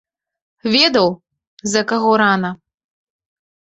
Ведаў, за каго рана.